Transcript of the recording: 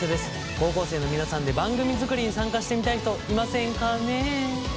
高校生の皆さんで番組作りに参加してみたい人いませんかねえ？